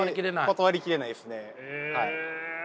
断り切れないですね。